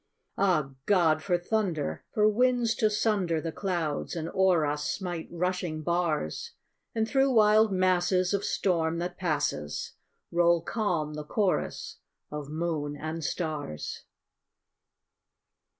Ah, God! for thunder! for winds to sunder The clouds and o'er us smite rushing bars! And through wild masses of storm, that passes, Roll calm the chorus of moon and stars.